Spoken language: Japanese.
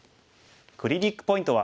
クリニックポイントは。